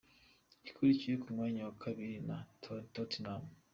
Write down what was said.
Ikurikiwe ku mwanya wa kabiri na Tottenham.